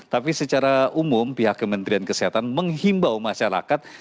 tapi secara umum pihak kementerian kesehatan menghimbau masyarakat